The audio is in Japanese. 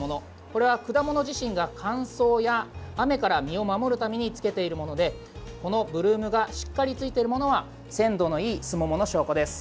これは果物自身が乾燥や雨から実を守るためにつけているものでこのブルームがしっかりついているものは鮮度のいいすももの証拠です。